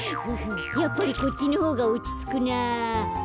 やっぱりこっちのほうがおちつくなぁ。